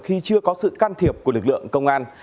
khi chưa có sự can thiệp của lực lượng công an